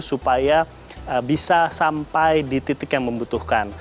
supaya bisa sampai di titik yang membutuhkan